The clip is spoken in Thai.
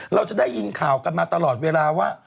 เราจะได้ยินข่าวกันมาตลอดเวลาว่า